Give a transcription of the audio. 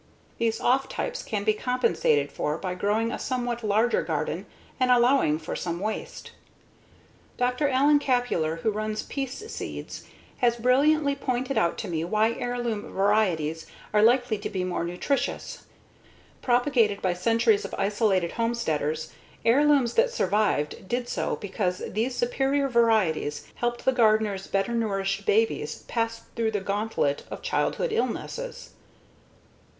These "off types" can be compensated for by growing a somewhat larger garden and allowing for some waste. Dr. Alan Kapuler, who runs Peace Seeds, has brilliantly pointed out to me why heirloom varieties are likely to be more nutritious. Propagated by centuries of isolated homesteaders, heirlooms that survived did so because these superior varieties helped the gardeners' better nourished babies pass through the gauntlet of childhood illnesses.